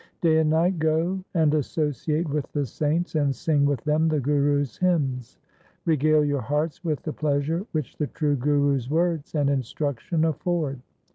Day and night go and associate with the saints and sing with them the Gurus' hymns. Regale your hearts with the pleasure which the true Gurus' words and instruction afford.